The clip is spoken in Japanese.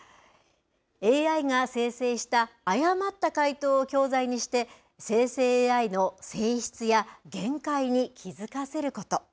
ＡＩが生成した誤った回答を教材にして生成ＡＩの性質や限界に気付かせること。